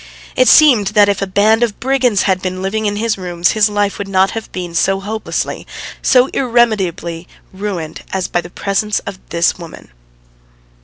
It seemed that if a band of brigands had been living in his rooms his life would not have been so hopelessly, so irremediably ruined as by the presence of this woman.